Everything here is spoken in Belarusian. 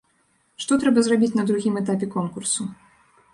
Што трэба зрабіць на другім этапе конкурсу?